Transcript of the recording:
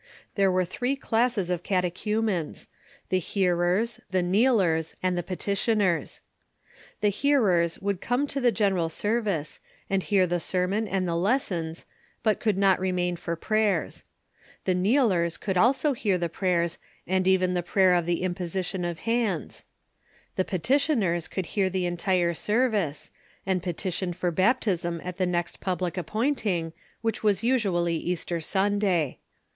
There were three classes of catechumens — the hearers, the kneelers, and the petitioners. The hearers could come to the general service, and hear the sermon and the lessons, but could not remain for prayers. The kneelers could hear also the prayers, and even the prayer of the imposition of hands. The petitioners could hear the entire service, and petition for baptism at the next public ap pointing, which Avas usually Easter Sundaj'.